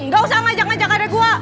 gak usah ngajak ngajak karya gue